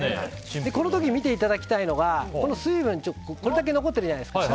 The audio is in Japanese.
この時見ていただきたいのが水分、これだけ残ってるじゃないですか。